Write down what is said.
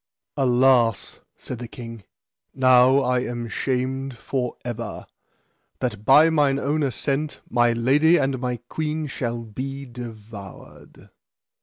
Alas, said the king, now I am shamed for ever, that by mine own assent my lady and my queen shall be devoured.